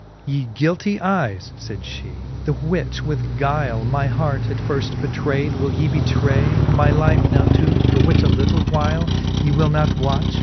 XXV. Ye guilty eyes, fayd fhe, the which with guyle My heart at firft betrayd, will ye betray My life now to, for which a little whyle Ye will not watch